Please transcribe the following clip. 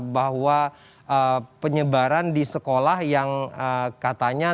bahwa penyebaran di sekolah yang katanya